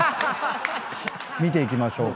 見ていきましょうか。